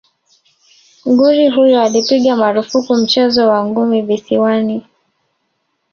Nguri huyo alipiga marufuku mchezo wa ngumi visiwani